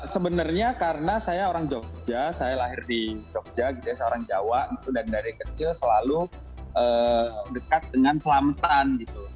sebenarnya karena saya orang jogja saya lahir di jogja saya orang jawa dan dari kecil selalu dekat dengan selamatan